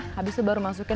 habis itu baru masukin